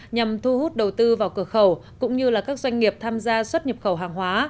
nhằm thu hút đầu tư vào cửa khẩu cũng như các doanh nghiệp tham gia xuất nhập khẩu hàng hóa